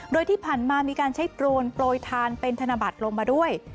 โดยที่ผ่านมามีการใช้โดรนโปรยทานเป็นธนบัตรลงมาด้วย